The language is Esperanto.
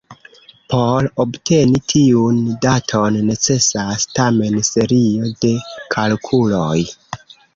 Por obteni tiun daton necesas tamen serio de kalkuloj.